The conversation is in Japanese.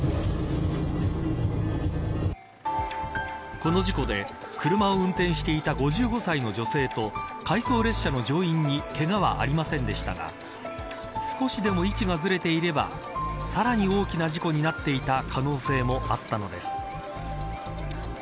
この事故で車を運転していた５５歳の女性と回送列車の乗員にけがはありませんでしたが少しでも位置がずれていればさらに大きな事故になっていた可能性もあったのです。